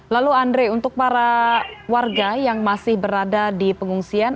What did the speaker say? lalu andre untuk para warga yang masih berada di pengungsian